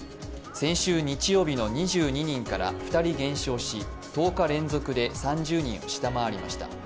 先週日曜日の２２人から２人減少し１０日連続で３０人を下回りました。